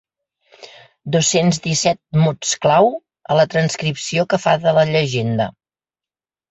Dos-cents disset mots clau a la transcripció que fa de la llegenda.